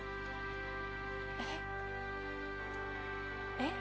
えっえっ？